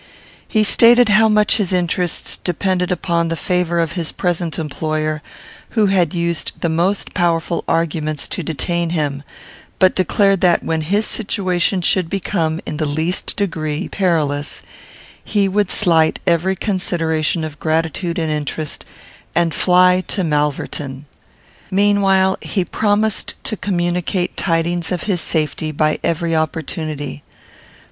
He stated how much his interests depended upon the favour of his present employer, who had used the most powerful arguments to detain him, but declared that, when his situation should become, in the least degree, perilous, he would slight every consideration of gratitude and interest, and fly to Malverton. Meanwhile, he promised to communicate tidings of his safety by every opportunity.